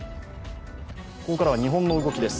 ここからは日本の動きです。